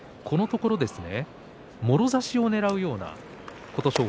このところもろ差しをねらうような琴勝峰。